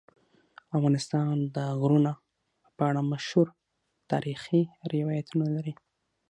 افغانستان د غرونه په اړه مشهور تاریخی روایتونه لري.